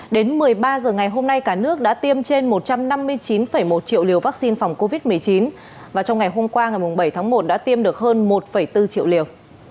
đến một mươi ba h ngày hôm nay cả nước đã tiêm trên một trăm năm mươi chín một triệu liều vaccine phòng covid một mươi chín và trong ngày hôm qua ngày bảy tháng một đã tiêm được hơn một bốn triệu liều